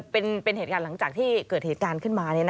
เป็นเหตุการณ์หลังจากที่เกิดเหตุการณ์ขึ้นมา